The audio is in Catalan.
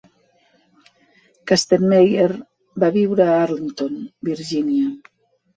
Kastenmeier va viure a Arlington, Virgínia.